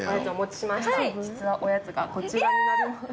実はおやつがこちらになります。